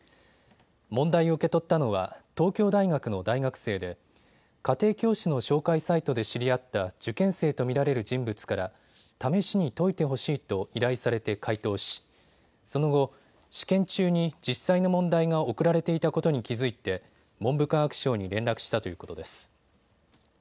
問題を受け取ったのは東京大学の大学生で家庭教師の紹介サイトで知り合った受験生と見られる人物から試しに解いてほしいと依頼されて解答しその後、試験中に実際の問題が送られていたことに気付いて文部科学省に連絡したということです。